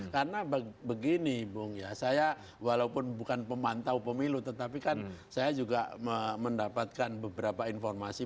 karena begini bung ya saya walaupun bukan pemantau pemilu tetapi kan saya juga mendapatkan beberapa informasi